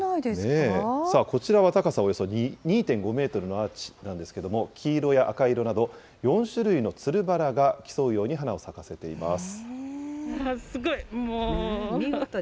さあ、こちらは高さおよそ２．５メートルのアーチなんですけども、黄色や赤色など、４種類のつるバラが競うように花を咲かせています。